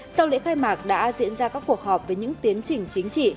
sau lễ khai mạc đã diễn ra các cuộc họp với những tiến trình chính trị